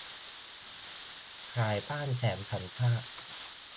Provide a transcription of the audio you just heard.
ขายบ้านแถมสัญชาติ